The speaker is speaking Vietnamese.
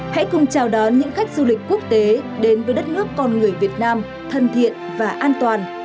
hãy cùng chào đón những khách du lịch quốc tế đến với đất nước con người việt nam thân thiện và an toàn